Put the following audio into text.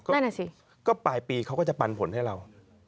นั่นอ่ะสิก็ปลายปีเขาก็จะปันผลให้เรา